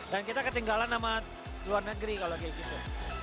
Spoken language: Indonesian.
dan kita ketinggalan sama luar negeri kalau kayak gitu